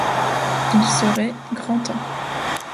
Il serait grand temps.